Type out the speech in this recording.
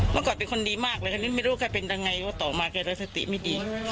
ป้าจะขอให้เขาสองชุด